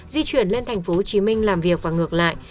di chuyển lên tp hcm làm việc và ngược lại